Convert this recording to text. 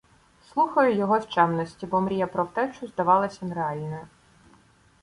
Слухаю його з чемності, бо мрія про втечу здавалася нереальною.